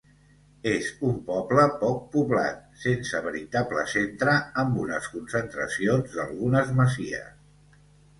És un poble poc poblat, sense veritable centre amb unes concentracions d'algunes masies.